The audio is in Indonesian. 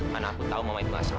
mana aku tahu mama itu gak sama